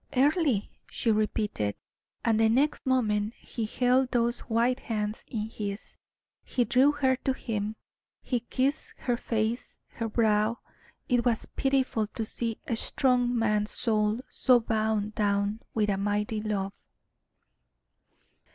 "Earle," she repeated; and the next moment he held those white hands in his, he drew her to him, he kissed her face, her brow. It was pitiful to see a strong man's soul so bound down with a mighty love.